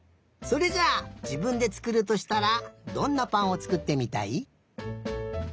それじゃあじぶんでつくるとしたらどんなぱんをつくってみたい？